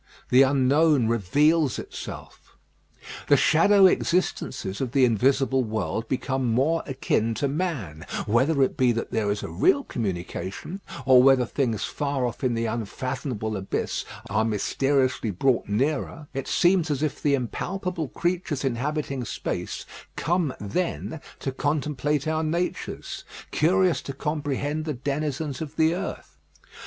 The unknown reveals itself. The shadowy existences of the invisible world become more akin to man; whether it be that there is a real communication, or whether things far off in the unfathomable abyss are mysteriously brought nearer, it seems as if the impalpable creatures inhabiting space come then to contemplate our natures, curious to comprehend the denizens of the earth.